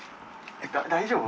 大丈夫。